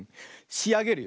しあげるよ。